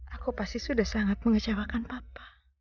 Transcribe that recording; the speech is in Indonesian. aku pasti sudah sangat mengecewakan papa